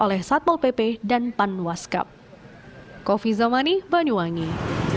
ditertipkan oleh satu lpp dan panwaskap